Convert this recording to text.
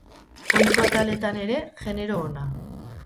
Ohiko ataletan ere, jenero ona.